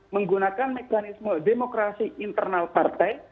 menggunakan mekanisme demokrasi internal partai